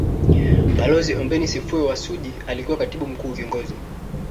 Balozi Ombeni Sefue wa Suji alikuwa Katibu mkuu Kiongozi